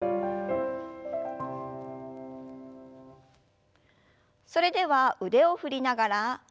それでは腕を振りながら背中を丸く。